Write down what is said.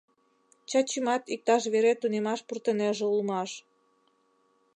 Чачимат иктаж-вере тунемаш пуртынеже улмаш.